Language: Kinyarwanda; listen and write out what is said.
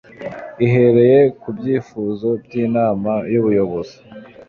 ihereye ku cyifuzo cy'inama y'ubuyobozi